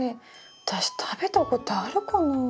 私食べたことあるかな？